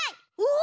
お！